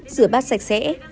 rửa bát sạch sẽ